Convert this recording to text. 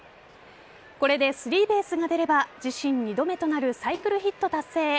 これでスリーベースが出れば自身２度目となるサイクルヒット達成へ。